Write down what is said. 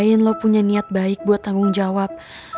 gue hargai lo punya niat baik buat tanggung jawab